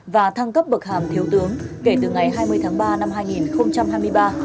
và thăng cấp bậc hàm thiếu tướng kể từ ngày hai mươi tháng ba năm hai nghìn hai mươi ba